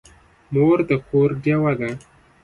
مور د کور ډېوه ده.